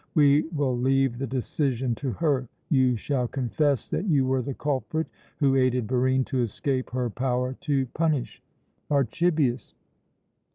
We will leave the decision to her. You shall confess that you were the culprit who aided Barine to escape her power to punish." "Archibius!"